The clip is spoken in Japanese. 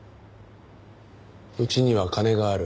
「うちには金がある。